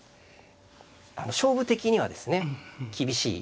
あの勝負的にはですね厳しい。